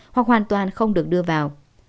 hoặc hoàn toàn không được đưa vào